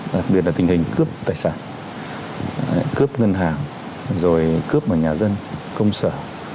đặc biệt là tình hình cướp tài sản cướp ngân hàng rồi cướp vào nhà dân công sở